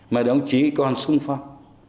mà đồng chí còn sung phong